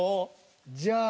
じゃあ。